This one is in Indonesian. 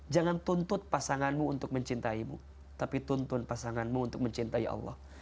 jangan tuntut pasanganmu untuk mencintaimu tapi tuntun pasanganmu untuk mencintai allah